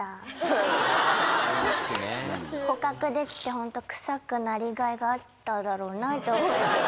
捕獲できてホント臭くなりがいがあっただろうなと思って。